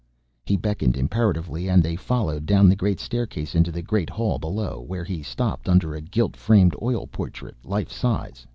He beckoned imperatively and they followed down the great staircase into the great hall below, where he stopped under a gilt framed oil portrait, life size.